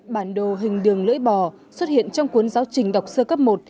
bản đồ hình đường lưỡi bò xuất hiện trong cuốn giáo trình đọc sơ cấp một